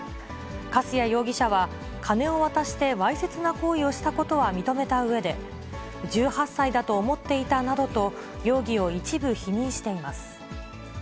粕谷容疑者は、金を渡して、わいせつな行為をしたことは認めたうえで、１８歳だと思っていたなどと容疑を一部否認しています。